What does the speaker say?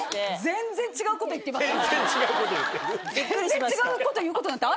全然違うこと言ってる。